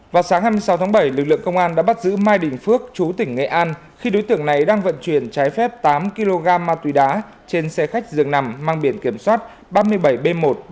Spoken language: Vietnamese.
vào sáng hai mươi sáu tháng bảy lực lượng công an đã bắt giữ mai đình phước chú tỉnh nghệ an khi đối tượng này đang vận chuyển trái phép tám kg ma tùy đá trên xe khách dường nằm mang biển kiểm soát ba mươi bảy b một mươi ba nghìn sáu trăm tám mươi chín